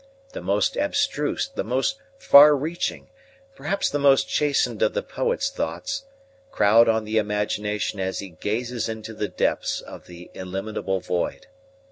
The most abstruse, the most far reaching, perhaps the most chastened of the poet's thoughts, crowd on the imagination as he gazes into the depths of the illimitable void.